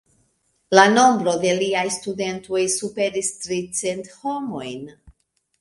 La nombro de liaj studentoj superis tricent homojn.